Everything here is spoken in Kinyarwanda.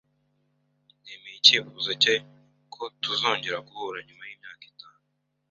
Nemeye icyifuzo cye ko tuzongera guhura nyuma yimyaka itanu.